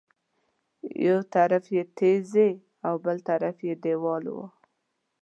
یو طرف یې تیږې او بل طرف یې دېوال و.